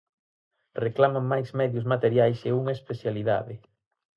Reclaman máis medios materiais e unha especialidade.